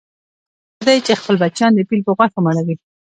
هغه مرغه دی چې خپل بچیان د پیل په غوښو مړوي.